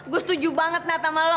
gue setuju banget net sama lo